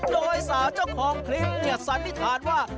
โดยสาวเจ้าของคลิปเนี่ยสันนิษฐานว่า